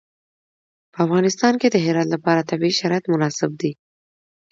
په افغانستان کې د هرات لپاره طبیعي شرایط مناسب دي.